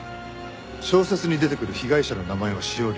小説に出てくる被害者の名前はしおり。